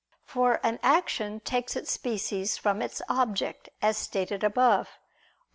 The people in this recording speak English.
For an action takes its species from its object, as stated above (AA.